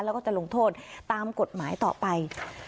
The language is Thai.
แล้วก็จะลงโทษตามกฎหมายต่อไป